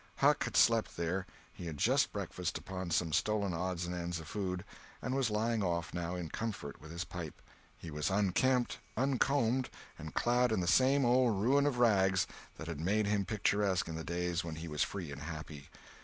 Huck had slept there; he had just breakfasted upon some stolen odds and ends of food, and was lying off, now, in comfort, with his pipe. He was unkempt, uncombed, and clad in the same old ruin of rags that had made him picturesque in the days when he was free and happy.